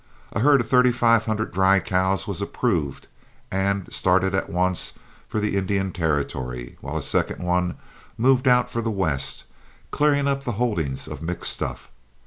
A herd of thirty five hundred dry cows was approved and started at once for the Indian Territory, while a second one moved out for the west, cleaning up the holdings of mixed stuff.